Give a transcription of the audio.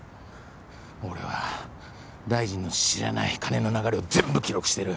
俺は大臣の知らない金の流れを全部記録してる。